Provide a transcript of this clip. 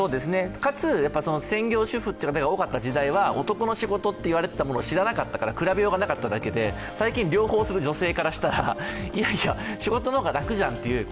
かつ、専業主婦が多かった時代は男の仕事といわれていたものを知らなかったから比べようがなかっただけで、最近、両方する女性からしたら、いやいや仕事の方が楽じゃんって。